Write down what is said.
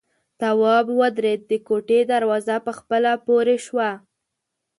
تواب ودرېد، د کوټې دروازه په خپله پورې شوه.